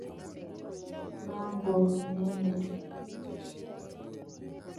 Mangom inendet kuu negitupche